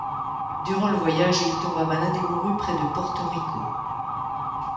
Durant le voyage, il tomba malade et mourut près de Porto Rico.